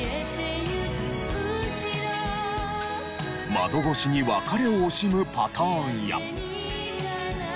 窓越しに別れを惜しむパターンや。